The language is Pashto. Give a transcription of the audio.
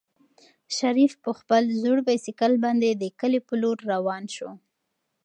شریف په خپل زوړ بایسکل باندې د کلي په لور روان شو.